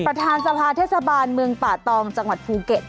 ประธานสภาเทศบาลเมืองป่าตองจังหวัดภูเก็ต